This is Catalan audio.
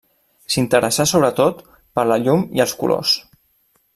S'interessà sobretot per la llum i els colors.